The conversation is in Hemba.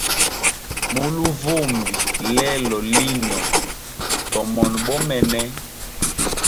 Mu luvumbi lelo lino tomona bomene.